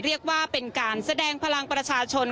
เรียกว่าเป็นการแสดงพลังประชาชน